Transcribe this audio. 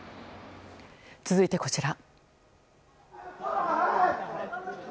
続いて、こちら。